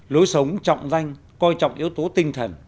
lối sống trọng danh coi trọng yếu tố tinh thần